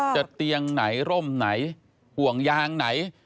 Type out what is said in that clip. เตียงไหนร่มไหนห่วงยางไหน